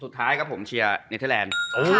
สุดท้ายครับผมเชียร์เนเทอร์แลนด์